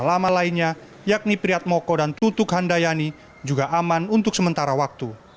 ketua dewan sama lainnya yakni priat moko dan tutuk handayani juga aman untuk sementara waktu